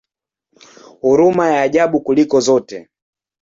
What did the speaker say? Huruma ya ajabu kuliko zote!